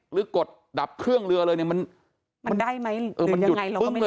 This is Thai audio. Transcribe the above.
กดดับเครื่องเรือเลยเนี่ยมันได้ไหมหรือมันยังไงเราก็ไม่รู้